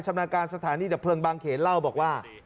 นาการสถานีดับเพลิงบางเขนเล่าบอกว่า